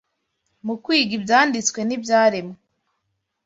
mu kwiga Ibyanditswe n’ibyaremwe